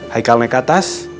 haikal naik ke atas